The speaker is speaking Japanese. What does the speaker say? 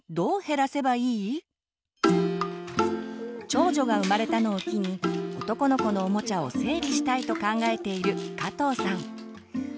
長女が生まれたのを機に男の子のおもちゃを整理したいと考えている加藤さん。